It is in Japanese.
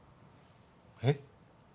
・えっ？